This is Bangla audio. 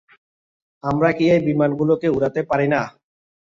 আমরা কি এই বিমানগুলোকে উড়াতে পারি না?